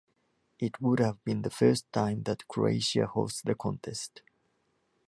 It would have been the first time that Croatia hosts the contest.